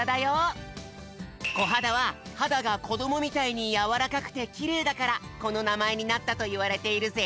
こはだははだがこどもみたいにやわらかくてきれいだからこのなまえになったといわれているぜ！